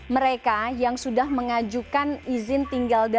mereka yang sudah mengajukan izin tinggal